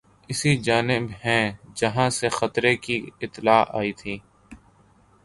اسی جانب ہیں جہاں سے خطرے کی اطلاع آئی تھی